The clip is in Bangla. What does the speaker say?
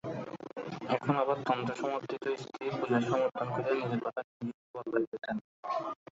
এখন আবার তন্ত্র-সমর্থিত স্ত্রী-পূজার সমর্থন করিয়া নিজের কথা নিজেই যে বদলাইতেছেন।